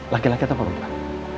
laki laki atau perempuan